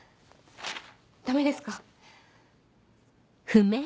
ダメですか？